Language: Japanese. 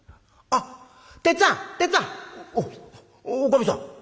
「あっおかみさん」。